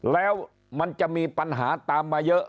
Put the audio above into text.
แล้วมันจะมีปัญหาตามมาเยอะ